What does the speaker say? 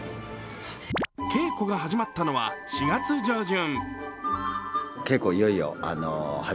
稽古が始まったのは４月上旬。